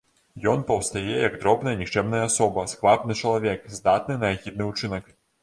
Ён паўстае як дробная і нікчэмная асоба, сквапны чалавек, здатны на агідны ўчынак.